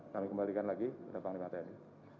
kami kembalikan lagi kepada panglima tni